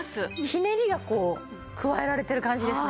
ひねりが加えられてる感じですね。